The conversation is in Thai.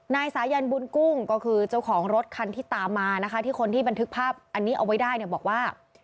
นายสายันบุญกุ้งก็คือเจ้าของรถคันที่ตามมานะคะที่คนที่บันทึกภาพอันนี้เอาไว้ได้เนี่ยบอกว่า